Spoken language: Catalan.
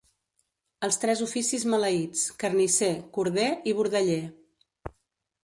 Els tres oficis maleïts: carnisser, corder i bordeller.